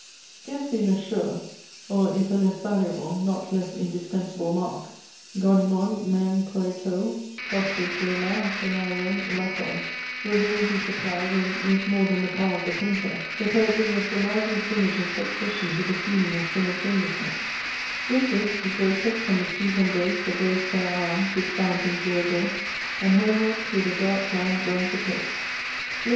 Scarcely less sure, or if a less valuable, not less indispensable mark Gonimon men poiaetou hostis rhaema gennaion lakoi, will the imagery supply, when, with more than the power of the painter, the poet gives us the liveliest image of succession with the feeling of simultaneousness: With this, he breaketh from the sweet embrace Of those fair arms, which bound him to her breast, And homeward through the dark laund runs apace; Look!